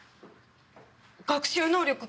学習能力が。